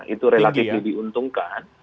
itu relatif diuntungkan